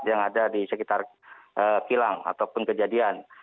yang ada di sekitar kilang ataupun kejadian